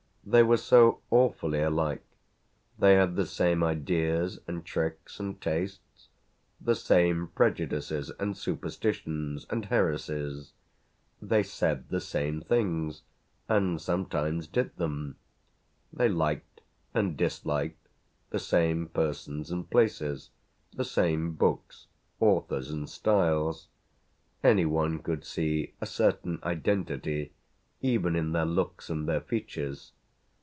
They were so awfully alike: they had the same ideas and tricks and tastes, the same prejudices and superstitions and heresies; they said the same things and sometimes did them; they liked and disliked the same persons and places, the same books, authors and styles; any one could see a certain identity even in their looks and their features.